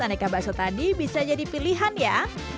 aneka bakso tadi bisa jadi pilihan ya